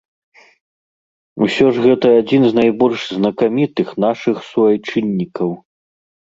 Усё ж гэта адзін з найбольш знакамітых нашых суайчыннікаў.